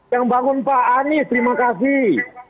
yang bangun pak anies terima kasih